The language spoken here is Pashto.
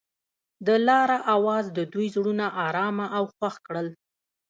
د لاره اواز د دوی زړونه ارامه او خوښ کړل.